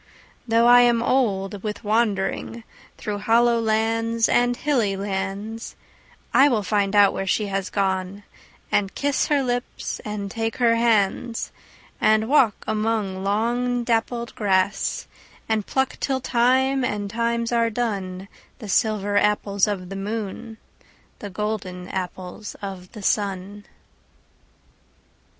Though I am old with wandering Through hollow lands and hilly lands, I will find out where she has gone, And kiss her lips and take her hands; And walk among long dappled grass, And pluck till time and times are done The silver apples of the moon, The golden apples of the sun.